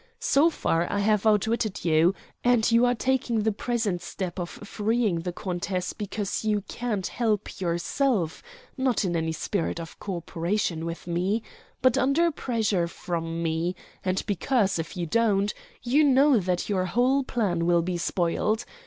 So far I have outwitted you, and you are taking the present step of freeing the countess because you can't help yourself, not in any spirit of co operation with me, but under pressure from me, and because, if you don't do it, you know that your whole plan will be spoiled.